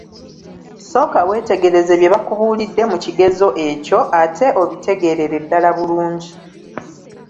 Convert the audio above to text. Sooka weetegereze bye bakubuulidde mu kigezo ekyo, ate obitegerere ddala bulungi.